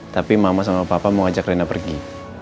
tapi mama sama papa mau ajak rina pergi